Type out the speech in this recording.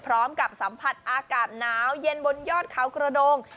พร้อมกับสัมผัสอากาศหนาวเย็นบนยอดเขากระดง